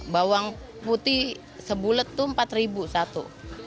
bawang putih sebulet itu rp empat satu